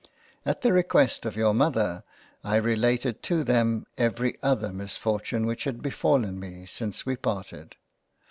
At the request of your Mother I related to them every other misfortune which had befallen me since we parted.